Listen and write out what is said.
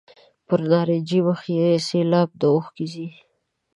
پر نارنجي مخ مې سېلاب د اوښکو ځي.